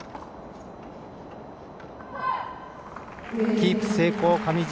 キープ成功上地。